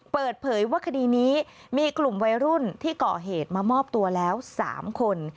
เปิดเผยว่าคดีนี้มีกลุ่มวัยรุ่นที่ก่อเหตุมามอบตัวแล้ว๓คน